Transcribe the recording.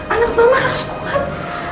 anak mama harus kuat